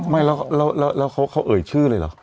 ไม่แล้วเขาเอ่ยชื่อเลยเหรอ